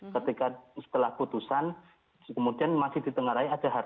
ketika setelah putusan kemudian masih ditengarai ada harta